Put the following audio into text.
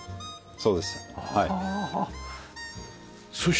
そうです。